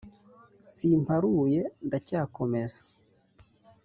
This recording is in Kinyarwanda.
Simparuye ndacyakomeza